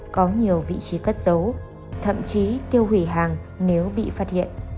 có nhiều vị trí cất dấu thậm chí tiêu hủy hàng nếu bị phát hiện